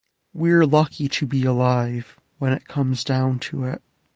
We're lucky to be alive, when it comes down to it.